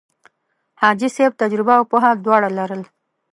حاجي صاحب تجربه او پوه دواړه لرل.